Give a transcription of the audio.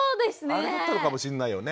あれだったのかもしれないよね。